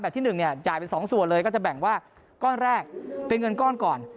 ที่๑เนี่ยจ่ายเป็น๒ส่วนเลยก็จะแบ่งว่าก้อนแรกเป็นเงินก้อนก่อน